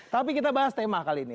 tapi kita bahas tema kali ini